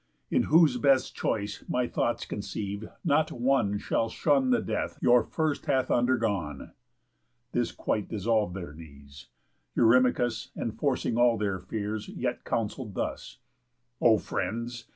In whose best choice, my thoughts conceive, not one Shall shun the death your first hath undergone." This quite dissolv'd their knees. Eurymachus, Enforcing all their fears, yet counsell'd thus: "O friends!